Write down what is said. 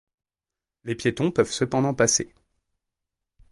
Les piétons peuvent cependant passer.